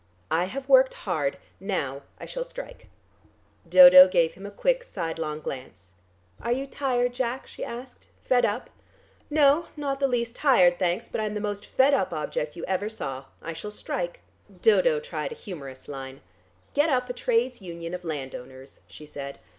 I have worked hard; now I shall strike." Dodo gave him a quick, sidelong glance. "Are you tired, Jack?" she asked. "Fed up?" "No, not the least tired, thanks, but I'm the most fed up object you ever saw. I shall strike." Dodo tried a humourous line. "Get up a trades union of landowners," she said.